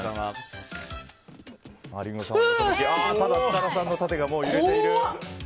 設楽さんの縦がもう揺れている。